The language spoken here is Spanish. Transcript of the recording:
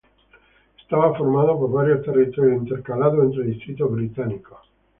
Estaba formado por varios territorios intercalados entre distritos británicos.